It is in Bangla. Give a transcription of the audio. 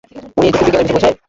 উনি জ্যোতির্বিজ্ঞানের কিছু বোঝে?